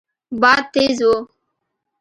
باد تېز و.